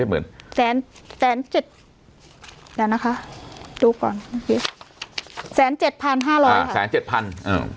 เดี๋ยวนะคะดูก็๑๗๐๐๐๐๐บาท๕๐๐หรือ๑๗๐๐๐๐๐บาท